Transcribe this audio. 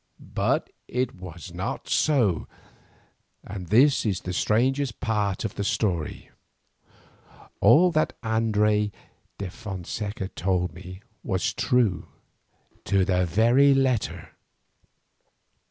But it was not so, and this is the strangest part of the strange story. All that Andres de Fonseca told me was true to the very letter.